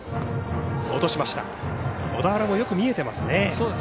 小田原もよく見えてますね。